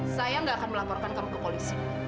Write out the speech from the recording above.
saya gak akan melaporkan kamu ke polisi